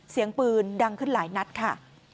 เสียงปืนดังขึ้นหลายนัดค่ะ